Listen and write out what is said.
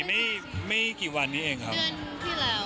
นึ่ง๑๔ไม่กี่วันนี้เองครับ